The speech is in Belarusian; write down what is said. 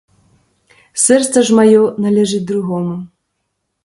Сэрца ж маё належыць другому.